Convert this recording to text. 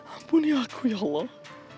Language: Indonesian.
ampuni aku ya allah